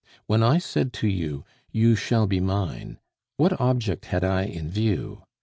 "When I said to you, 'You shall be mine,' what object had I in view?